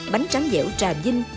bánh tráng dẻo trà vinh